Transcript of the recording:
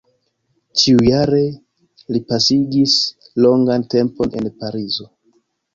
Ĉiujare li pasigis longan tempon en Parizo.